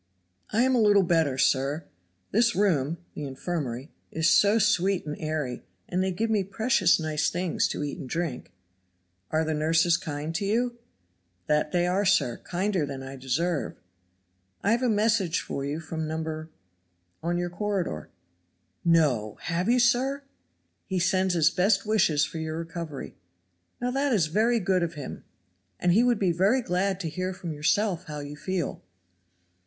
"I am a little better, sir. This room (the infirmary) is so sweet and airy, and they give me precious nice things to eat and drink." "Are the nurses kind to you?" "That, they are, sir, kinder than I deserve." "I have a message for you from No. on your corridor." "No! have you, sir?" "He sends his best wishes for your recovery." "Now that is very good of him." "And he would be very glad to hear from yourself how you feel."